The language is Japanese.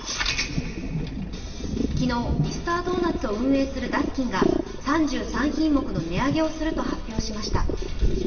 昨日、ミスタードーナツを運営するダスキンが３３品目の値上げをすると発表しました。